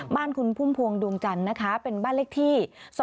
บ้านคุณพุ่มพวงดวงจันทร์นะคะเป็นบ้านเลขที่๒๕๖